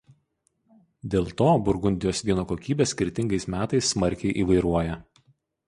Dėl to Burgundijos vyno kokybė skirtingais metais smarkiai įvairuoja.